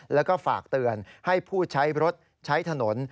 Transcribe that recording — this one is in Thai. แล้วก็ฝากเตือนให้ผู้ใช้รถใช้ถนน